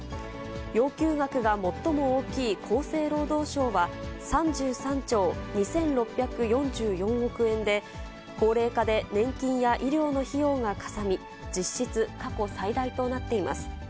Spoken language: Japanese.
要求額が最も大きい厚生労働省は３３兆２６４４億円で、高齢化で年金や医療の費用がかさみ、実質過去最大となっています。